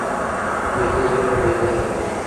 ویده زړه بیداره وي